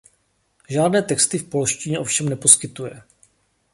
Žádné texty v polštině ovšem neposkytuje.